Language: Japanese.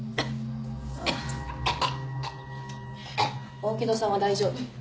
大木戸さんは大丈夫。